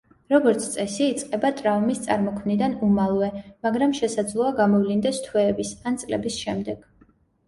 როგორც წესი, იწყება ტრავმის წარმოქმნიდან უმალვე, მაგრამ შესაძლოა გამოვლინდეს თვეების ან წლების შემდეგ.